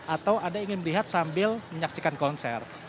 atau anda ingin melihat sambil menyaksikan konser